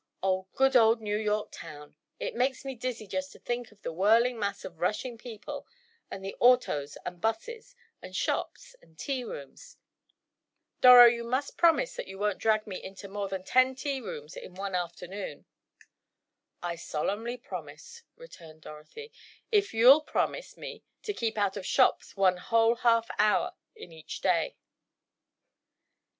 "Oh, good old New York town! It makes me dizzy just to think of the whirling mass of rushing people and the autos and 'buses, and shops and tea rooms! Doro, you must promise that you won't drag me into more than ten tea rooms in one afternoon!" "I solemnly promise," returned Dorothy, "if you'll promise me to keep out of shops one whole half hour in each day!"